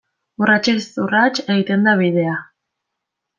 Urratsez urrats egiten da bidea.